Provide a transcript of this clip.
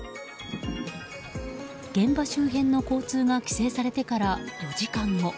現場周辺の交通が規制されてから４時間。